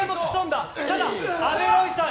ただ阿部ロイさん